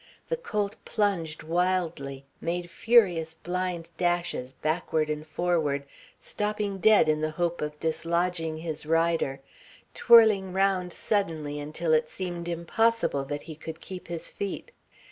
The colt plunged wildly, making furious blind dashes backward and forward, stopping dead in the hope of dislodging his rider, twirling round suddenly until it seemed impossible that he could keep his feet.